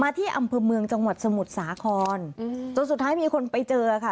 ที่อำเภอเมืองจังหวัดสมุทรสาครจนสุดท้ายมีคนไปเจอค่ะ